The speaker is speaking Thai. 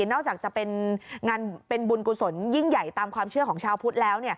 นอกจากจะเป็นบุญกุศลยิ่งใหญ่ตามความเชื่อของชาวพุทธแล้ว